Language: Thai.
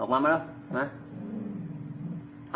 ออกมามาแล้วมา